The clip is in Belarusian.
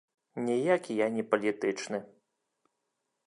Ніякі я не палітычны.